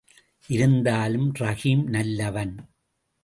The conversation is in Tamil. இருந்தாலும் ரஹீம் நல்லவன்.